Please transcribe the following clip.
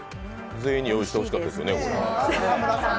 全員に用意してほしかったですよね。